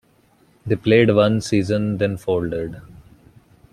They played one season then folded.